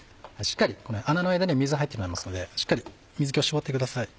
穴の間に水入ってしまいますのでしっかり水気を絞ってください。